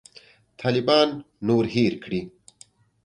طالبان نور هېر کړي.